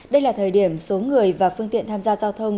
đây là thời điểm số người và phương tiện tham gia giao thông